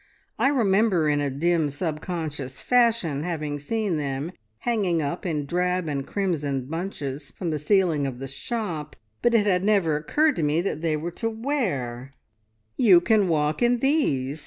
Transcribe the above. I remember in a dim, sub conscious fashion having seen them hanging up in drab and crimson bunches from the ceiling of the shop, but it had never occurred to me that they were to wear!" "`You can walk in these!'